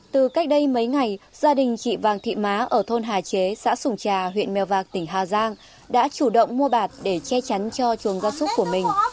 từ cách đây mấy ngày gia đình chị vàng thị má ở thôn hà chế xã sùng trà huyện mèo vạc tỉnh hà giang đã chủ động mua bạt để che chắn cho chuồng gia súc của mình